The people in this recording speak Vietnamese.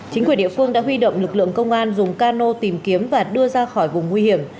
chính quyền địa phương đã huy động lực lượng công an dùng cano tìm kiếm và đưa ra khỏi vùng nguy hiểm